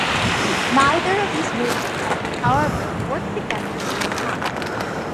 Neither of these movements, however, worked together at the time.